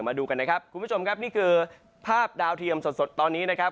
มาดูกันนะครับคุณผู้ชมครับนี่คือภาพดาวเทียมสดตอนนี้นะครับ